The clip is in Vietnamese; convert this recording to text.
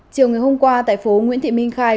chiều ngày hôm qua tại phố nguyễn thị minh khai